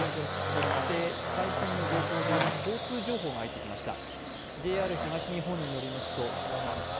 そして最新の情報で今、交通情報が入ってきました。